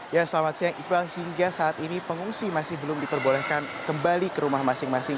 ya selamat siang iqbal hingga saat ini pengungsi masih belum diperbolehkan kembali ke rumah masing masing